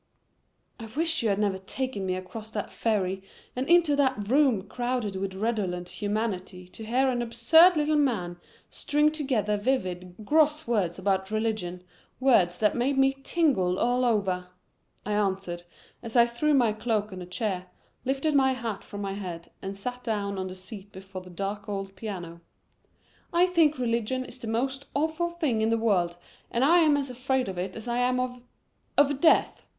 "I wish you had never taken me across that ferry and into that room crowded with redolent humanity to hear an absurd little man string together vivid, gross words about religion, words that made me tingle all over," I answered as I threw my coat on a chair, lifted my hat from my head and sat down on the seat before the dark old piano. "I think religion is the most awful thing in the world and I am as afraid of it as I am of of death.